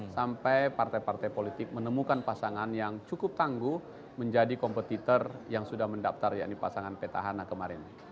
sampai partai partai politik menemukan pasangan yang cukup tangguh menjadi kompetitor yang sudah mendaftar yaitu pasangan petahana kemarin